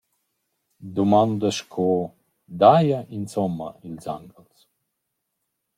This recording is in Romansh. Dumondas sco: «Daja insomma ils anguels?»